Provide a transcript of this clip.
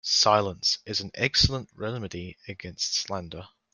Silence is an excellent remedy against slander.